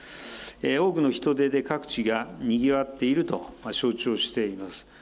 多くの人出で各地がにぎわっていると承知をしています。